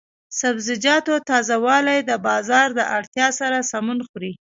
د سبزیجاتو تازه والي د بازار د اړتیا سره سمون خوري.